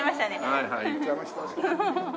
はいはい行っちゃいました。